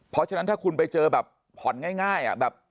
เพราะฉะนั้นถ้าคุณไปเจอแบบผ่อนง่าย